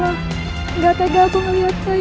enggak tega aku melihatnya